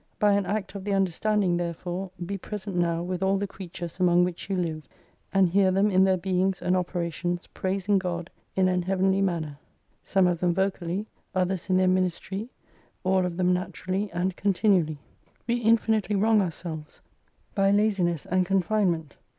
By an act of the understanding therefore be present now with all the creatures among which you live ; and hear them in their beings and operations praising God in an heavenly manner. Some of them vocally, others in their minis try all of them naturally and continually. We infin itely wrong ourselves by laziness and confinement.